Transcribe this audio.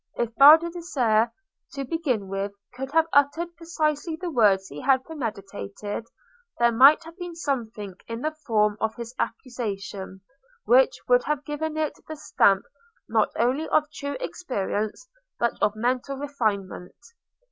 If Baldassarre, to begin with, could have uttered precisely the words he had premeditated, there might have been something in the form of his accusation which would have given it the stamp not only of true experience but of mental refinement.